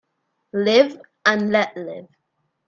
Live and let live.